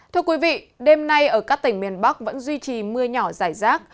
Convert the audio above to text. thưa quý vị đêm nay ở các tỉnh miền bắc vẫn duy trì mưa nhỏ dài rác